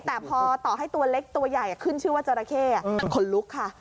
แต่พอต่อให้ตัวเล็กตัวใหญ่ขึ้นชื่อว่าจราเข้มันขนลุกค่ะ